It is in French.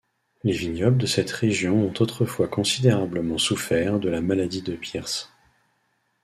Les vignobles de cette région ont autrefois considérablement souffert de la maladie de Pierce.